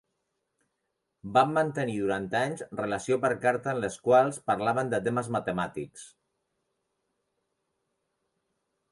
Van mantenir, durant anys, relació per carta en les quals parlaven de temes matemàtics.